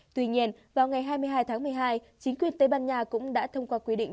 tuy nhiên vào ngày hai mươi hai tháng một mươi hai chính quyền tây ban nha cũng đã thông qua quy định